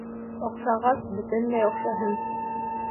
Оҡшағас, бөтөнләй оҡшаһын.